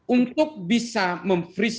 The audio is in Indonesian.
untuk bisa memfreeze sebuah